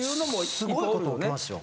凄いこと起きますよ。